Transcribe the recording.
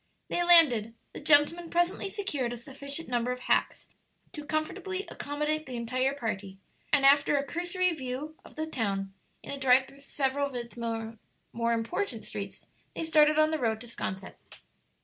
'" They landed, the gentlemen presently secured a sufficient number of hacks to comfortably accommodate the entire party, and after a cursory view of the town, in a drive through several of its more important streets, they started on the road to 'Sconset.